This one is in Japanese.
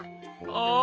ああ。